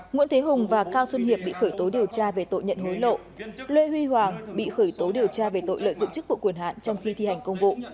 nguyễn thế hùng và cao xuân hiệp bị khởi tố điều tra về tội nhận hối lộ lê huy hoàng bị khởi tố điều tra về tội lợi dụng chức vụ quyền hạn trong khi thi hành công vụ